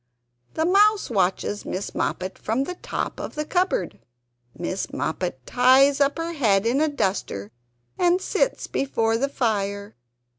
The Mouse watches Miss Moppet from the top of the cupboard. Miss Moppet ties up her head in a duster and sits before the fire.